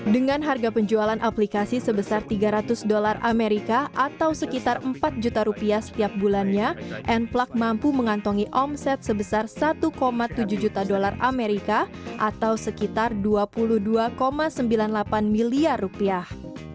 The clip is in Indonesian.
dengan harga penjualan aplikasi sebesar tiga ratus dolar amerika atau sekitar empat juta rupiah setiap bulannya n plug mampu mengantongi omset sebesar satu tujuh juta dolar amerika atau sekitar dua puluh dua sembilan puluh delapan miliar rupiah